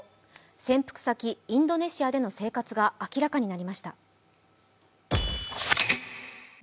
潜伏先インドネシアでの生活が明らかになってきました。